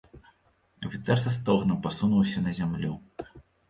Афіцэр са стогнам пасунуўся на зямлю.